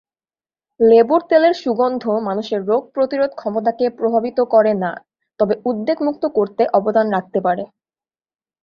লেবুর তেলের সুগন্ধ মানুষের রোগ প্রতিরোধ ক্ষমতাকে প্রভাবিত করে না, তবে উদ্বেগ মুক্ত করতে অবদান রাখতে পারে।